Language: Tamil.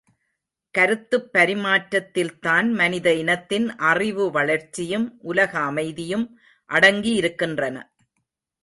கருத்துப் பரிமாற்றத்தில்தான் மனித இனத்தின் அறிவு வளர்ச்சியும் உலக அமைதியும் அடங்கியிருக்கின்றன.